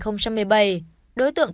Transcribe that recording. năm hai nghìn một mươi bảy đối tượng